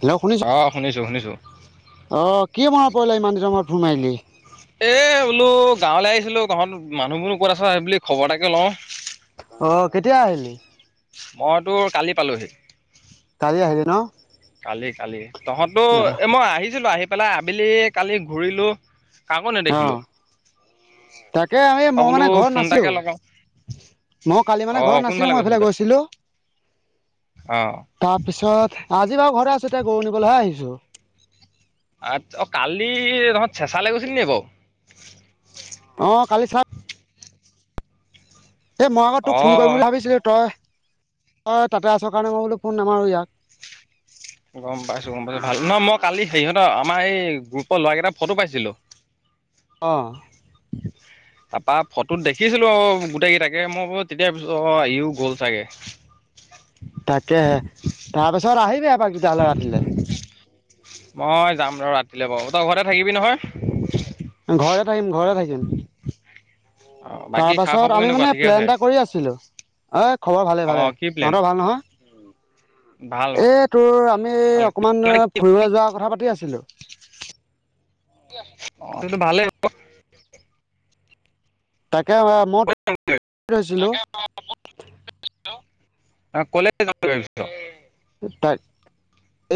Hello! শুনিছ, অ শুনিছো শুনিছো অ', কি মনত পৰিলে? ইমান দিনৰ মূৰত ফোন মাৰিলি? এ বোলোঁ গাঁৱলে আহিছিলোঁ, তহঁত মানুহবোৰোনো ক'ত আছ সেই বুলি খবৰ এটাকে লওঁ। অ', কেতিয়া আহিলি? মই তোৰ কালি পালোহি। কালি আহিলি ন? কালি, কালি তহঁতো এ, মই আহিছিলোঁ আহি পেলাই আবেলি কালি ঘূৰিলোঁ। কাকো অ নেদেখিলোঁ। তাকে, আমি মই বোলো মানে ঘৰত ফোন এটাকে নাছিলোঁ। লগাও মই কালি অ মানে ঘৰত কোনফালে নাছিলোঁ। মই গৈছিলি এইফালে তই গৈছিলোঁ। অ'। তাৰপিছত, আজি বাৰু ঘৰতে আছোঁ, ত' গৰু নিবলৈহে আহিছোঁ। আতচা অ', কালি তহঁত চেঁচালে গৈছিলি নি বাৰু? অ', কালি সা এই মই আকৌ তোক অ ফোন কৰিম বুলি ভাবিছিলোঁ। তই, তই তাতে আছ কাৰণে মই বোলোঁ ফোন নামাৰো ইয়াক। গম পাইছোঁ, গম পাইছোঁ ভাল ন' মই কালি সেইহঁতৰ আমাৰ এই গ্ৰুপৰ ল'ৰা কেইটাৰ ফটো পাইছিলোঁ। [inaudible] অ'। উম। তাপা ফটোত দেখিছিলোঁ আৰু গোটেই কিটাকে মই ব তেতিয়া পিছ অ', ইয়ো গ'ল চাগে। তাকে, তাপাছত আহিবি এপাক তেতিয়াহ'লে ৰাতিলে। মই যাম ৰ, ৰাতিলে বাৰু তই ঘৰতে থাকিবি নহয়? ঘৰতে থাকিম, ঘৰতে থাকিম। অ বাকী খা তাৰপাছত, খবৰ আমি কেনেকুৱা মানে ঠিকে আছে প্লেন এটা কৰি আছিলোঁ। এই খবৰ ভালে, ভালে। তহঁতৰ ভাল নহয়? উম। এ তোৰ আমি, অকমান ফুৰিবলৈ যোৱা কথা পাতি আছিলোঁ। অ', সেইটো ভালেই [inaudible] তাকে অ মই [unintelligible] থৈছিলো। [unintelligible] [unintelligible] ঠাইত,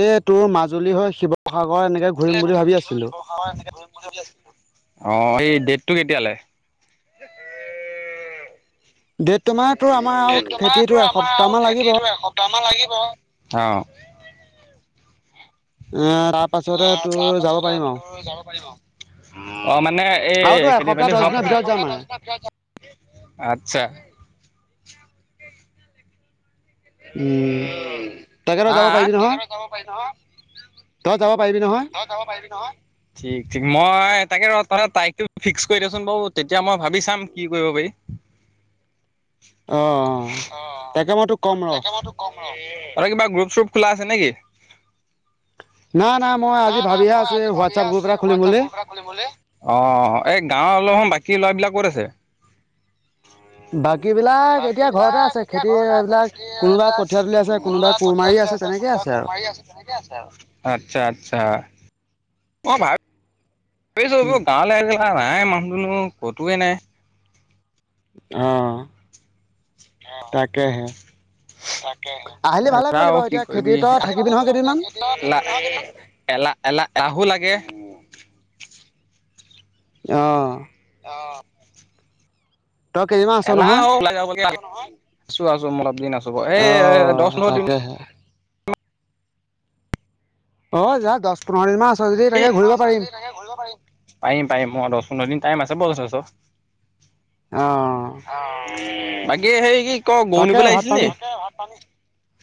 এই তোৰ মাজুলী হৈ শিৱসাগৰ এনেকে ঘূৰিম বুলি ভাবি আছিলো। [unintelligible] অ এই ডেটটো কেতিয়ালে? ডেটটো মানে তোৰ আমাৰ আৰু সেই খেতিটো তোমাৰো আমাৰ আৰু এসপ্তাহমান লাগিব খেতিটো এক সপ্তাহ সপ্তাহ মান লাগিব। অ। আ আহ তাৰ পাছতে তোৰ যাব পাৰিম আৰু। অ মানে এ আৰু তোৰ খেতি এসপ্তাহ মানে, দহ দিনৰ একসপ্তাহ ভিতৰত যাম দহ দিন ভিতৰত যাম আৰু। আতচ্ছা। মানে তাকে তই আ? যাব পাৰিবি আ? নহয় [unintelligible] যাব পাৰি নহয়। যাব পাৰিবি নহয় তই যাব পাৰিবি নহয়? ঠিক-ঠিক মই তাকে ৰ তৰা তাৰিখটো ফিক্স কৰি দিয়চোন বাৰু। তেতিয়া মই ভাবি চাম কি কৰিব পাৰি। [unintelligible] অ তাকে মই তোক কম ৰ। কম ৰ, আৰু কিবা গ্ৰুপ-চ্ৰুপ খোলা আছে নেকি? নাই নাই মই আজি ভাবিহে আছোঁ এই হোৱাটছআপ গ্ৰুপ এটা খুলিম বুলি। অ এই গাঁৱৰ অলপ বাকী ল'ৰাবিলাক ক'ত আছে? বাকী বিলাক বাকী এতিয়া ঘৰতে বিলাক আছে এতিয়া খেতি ঘৰতে আছে এইবিলাক খেতি কোনোবা এইবিলাক কঠীয়া তুলি আছে কোনোবা কোৰ কঠীয়া মাৰি তুলি আছে, তেনেকে কোনোবা কোৰ আৰু মাৰি আছে, তেনেকে আছে। আতচ্ছা, আতচ্ছা। অই ভাব, ভাবিছোঁ এই গাঁৱলৈ আহিলে [unintelligible] নাই মানুহ-দুনু ক'তোৱে নাই। অ তাকেহে। তাকে। আহিলি ভালে কৰিলি বাৰু [unintelligible] কি এতিয়া খেতি কৰিবি? [unintelligible] তই [unintelligible] থাকিবি নহয় কেইদিনমান এলা-এলাহ-এলাহ-এলাহু লাগে। অ। অ। তই কেইদিনমান আছ এলাহ নহয় ও [unintelligible] আছো আছো মই অলপ দিন আছো। এ অ দহ পোন্ধৰ দিন [inaudible] অ যা দহ পোন্ধৰ দিনমান আছে যদি তাকে ঘূৰিব পাৰিম। তাকে ঘূৰিব পাৰিম। পাৰিম পাৰিম, মই দহ-পোন্ধৰ দিন টাইম আছে [unintelligible] অ [unintelligible] বাকী সেই কি ত গৰু তাকে নিবলৈ ভাত আহিছিল পানী নেকি? [unintelligible]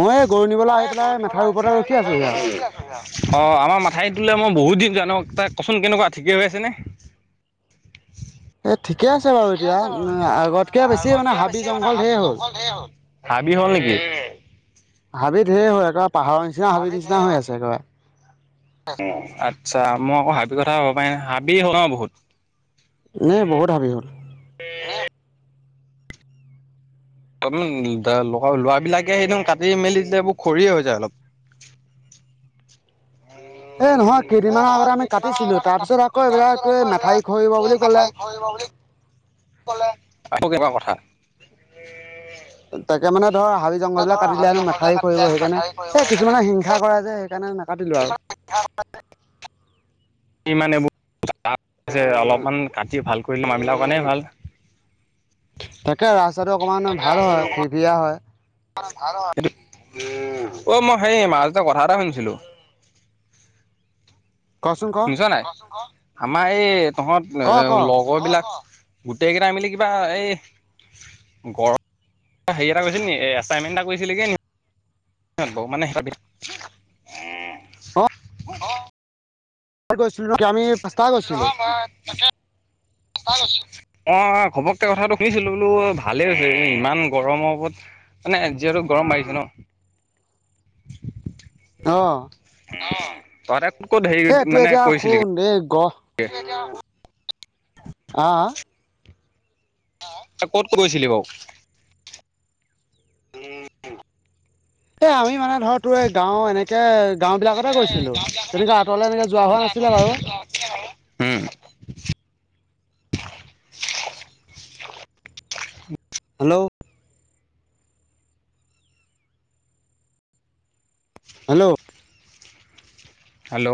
মই এই গৰুৰ নিবলৈ আহি পেলাই, মেঠাউৰীৰ ওপৰতে ৰখি আছোহি আৰু। অ আমাৰ মাথাউৰিইটোলে মই বহুত দিন যোৱা এ নাই তাক কচোন কেনেকুৱা ঠিকে হৈ আছে নে? এই ঠিকে আছে বাৰু এতিয়া, আগতকৈ বেছি মানে হাবি-জংঘল ধেৰ হ'ল। ধেৰ হ'ল। হাবি হ'ল নেকি? হাবি ঢেৰ হয়। একেবাৰে পাহাৰৰ নিচিনা হাবিৰ নিচিনা হৈ আছে একেবাৰে। আতচ্ছা মই আকৌ হাবি কথা ভবা নাই, হাবি হ'ল ন বহুত? উম, বহুত হাবি হ'ল। অলপ ল ল'ৰাবিলাকে সেইবোৰ কাটি মেলি দিলে খৰিয়ে হৈ যায় অলপ। এই নহয় কেইদিনমানৰ আগতে আমি কাটিছিলো তাৰপিছত আকৌ এইবিলাক ত এই মথাউৰি খহিব বুলি ক'লে। খহিব বুলি কলে। আকৌ কেইবাৰ কথা। তাকে মানে ধৰ হাবি-জংঘল বিলাক কাটিলেনো মাথাউৰি খহিব সেইকাৰণে এ কিছুমানে হিংসা কৰে যে [unintelligible] নাকাতিলো আৰু। [unintelligible] [unintelligible] অলমান কাটি ভাল কৰি মানু্হ বিলাক কাৰণে ভাল। তাকে ৰাস্তাটো অকমান ভাল হয়, ফিফিৰিয়া হয়। অ, মই সেই মাজতে কথা এটা শুনিছিলো। কচোন ক শুনিছ নাই? আমাৰ এই, তহঁত ক ক এ লগৰ বিলাক গোটেই কেইটাই মিলি কিবা এই হেই এটা কৰিছিল নি, এচাইনমেন্ট এটা কৰিছিলিগে নি? [unintelligible] গৈছিলো। [unintelligible] আমি পাঁচটা গৈছিলো। [unintelligible] তাকে [unintelligible] মই ঘপককে কথাটো শুনিছিলোঁ। বোলো ভালে হৈছে ইমান গৰম ওপত মানে যিহেতু গৰম বাঢ়িছে ন। অঁ অ, তহতে ক'ত হেৰি এই তোৰ মানে এতিয়া কৰিছিলি শুন গে? এই গহ [unintelligible] ক'ত ক--ছিলি বাও? [unintelligible] এ আমি মানে ধৰ তো, এই গাঁও, এনেকে গাঁও বিলাকতে গৈছিলো। তেনেকা আঁতৰলে এনেকে যোৱা হোৱা নাছি। উম। হেল্ল'! Hello hello